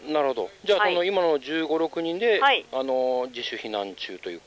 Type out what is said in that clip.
じゃあ、今の１５１６人で自主避難中というか。